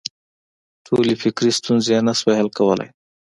ټولې فکري ستونزې یې نه شوای حل کولای.